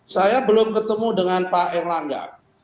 saya belum ketemu dengan pak erlangga